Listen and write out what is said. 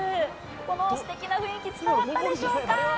このステキな雰囲気伝わったでしょうか？